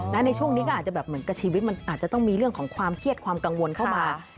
ในช่วงนี้ก็อาจจะแบบเหมือนกับชีวิตมันอาจจะต้องมีเรื่องของความเครียดความกังวลเข้ามา